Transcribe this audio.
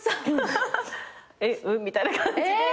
「えっ」みたいな感じで